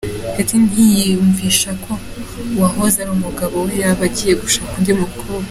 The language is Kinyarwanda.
Katy ntiyiyumvisha ko uwahoze ari umugabo we yaba agiye gushaka undi mukobwa.